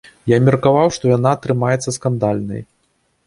Я меркаваў, што яна атрымаецца скандальнай.